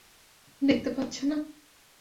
দেখতে পাচ্ছো না?